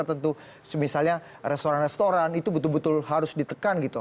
tentu misalnya restoran restoran itu betul betul harus ditekan gitu